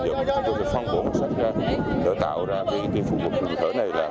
chúng tôi sẽ phong bộ một sách đồ tạo ra với phụ nữ thờ này